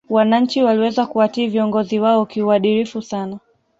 wananchi waliweza kuwatii viongozi wao kiuadirifu sana